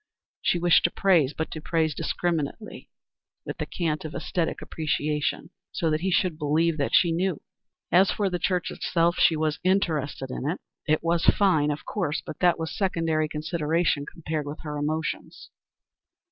She wished to praise, but to praise discriminatingly, with the cant of æsthetic appreciation, so that he should believe that she knew. As for the church itself, she was interested in it; it was fine, of course, but that was a secondary consideration compared with her emotions.